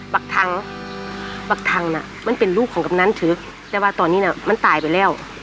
บางทางน่ะมันเป็นลูกของกำนันถือแต่ว่าตอนนี้น่ะมันตายไปแล้ว